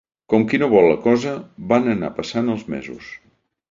Com qui no vol la cosa, van anar passant els mesos.